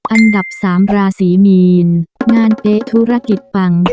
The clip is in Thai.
อันดับสามราศีมีนงานเป๊ะธุรกิจปัง